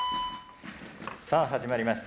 さあ始まりました。